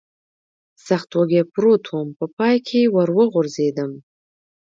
سخت وږی پروت ووم، په پای کې ور وغورځېدم.